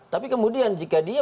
tapi kemudian jika dia